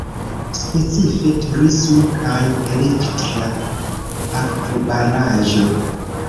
Specife turismo kaj elektra akvobaraĵo.